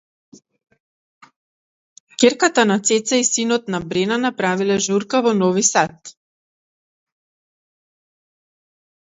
Ќерката на Цеца и синот на Брена направиле журка во Нови Сад